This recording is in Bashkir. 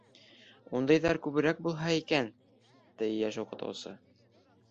Ундайҙар күберәк булһа икән, — ти йәш уҡытыусы.